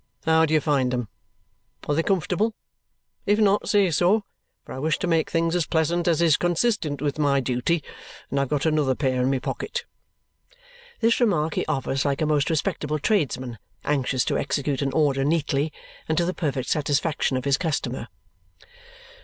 "How do you find them? Are they comfortable? If not, say so, for I wish to make things as pleasant as is consistent with my duty, and I've got another pair in my pocket." This remark he offers like a most respectable tradesman anxious to execute an order neatly and to the perfect satisfaction of his customer.